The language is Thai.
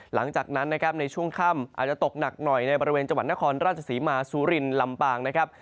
หลังจากนั้นนะครับในช่วงค่ำอาจจะตกหนักหน่อยในบริเวณจังหวัดนครราชศรีมาสุรินลำปางนะครับ